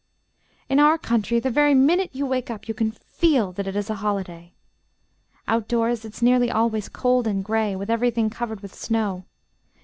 "In our country the very minute you wake up you can feel that it is a holiday. Outdoors it's nearly always cold and gray, with everything covered with snow.